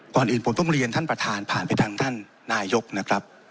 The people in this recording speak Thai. ก่อนอื่นผมต้องเรียนท่านประธานผ่านไปทางท่านนายกนะครับ